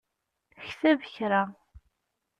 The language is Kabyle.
Kteb kra!